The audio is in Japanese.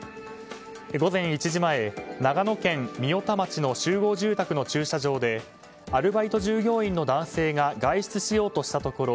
午前１時前、長野県御代田町の集合住宅の駐車場でアルバイト従業員の男性が外出しようとしたところ